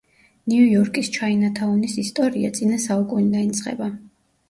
ნიუ-იორკის „ჩაინათაუნის“ ისტორია, წინა საუკუნიდან იწყება.